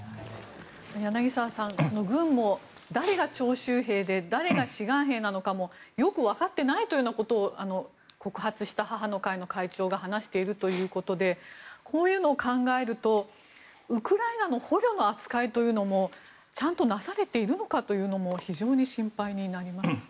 柳澤さん軍も誰が徴集兵で誰が志願兵なのかもよくわかってないというようなことを告発した母の会の会長が話しているということでこういうのを考えるとウクライナの捕虜の扱いというのもちゃんとなされているのかというのも非常に心配になります。